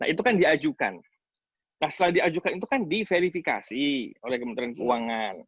itu kan diajukan nah setelah diajukan itu kan diverifikasi oleh kementerian keuangan